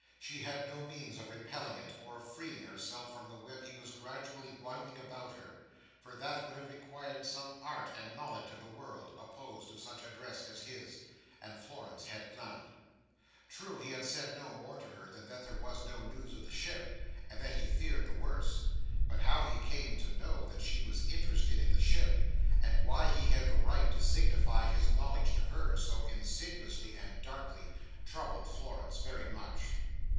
She had no means of repelling it, or of freeing herself from the web he was gradually winding about her; for that would have required some art and knowledge of the world, opposed to such address as his; and Florence had none. True, he had said no more to her than that there was no news of the ship, and that he feared the worst; but how he came to know that she was interested in the ship, and why he had the right to signify his knowledge to her, so insidiously and darkly, troubled Florence very much.